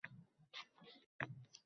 Ovozing o`chsa bo`lgani